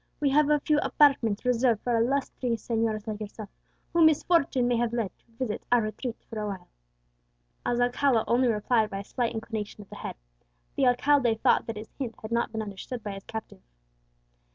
We have a few apartments reserved for illustrious señors like yourself, whom misfortune may have led to visit our retreat for awhile." As Alcala only replied by a slight inclination of the head, the alcalde thought that his hint had not been understood by his captive.